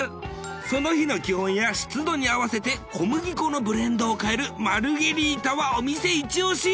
その日の気温や湿度に合わせて小麦粉のブレンドを変えるマルゲリータはお店イチ押し！